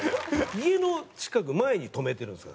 家の近く前に止めてるんですか？